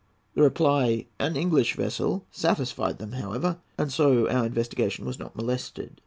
The reply, 'An English vessel,' satisfied them, however, and so our investigation was not molested.